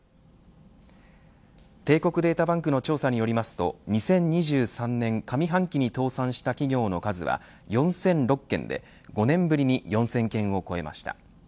帝国データバンクの調査によりますと２０２３年上半期に倒産した企業の数は４００６件で５年ぶりに４０００件を超えました。